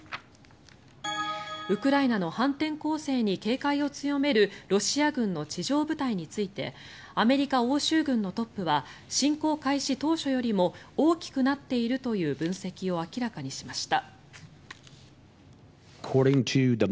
ウクライナの反転攻勢に警戒を強めるロシア軍の地上部隊についてアメリカ欧州軍のトップは侵攻開始当初よりも大きくなっているという分析を明らかにしました。